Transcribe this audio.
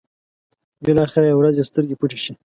بلاخره يوه ورځ يې سترګې پټې شي.